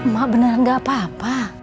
mak bener gak apa apa